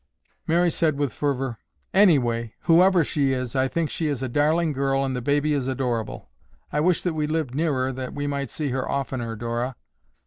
Mary said with fervor, "Anyway, whoever she is, I think she is a darling girl and the baby is adorable. I wish that we lived nearer that we might see her oftener, Dora."